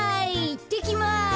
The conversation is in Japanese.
いってきます。